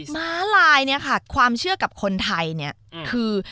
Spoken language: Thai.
มาลายความเชื่อกับคนไทยคือ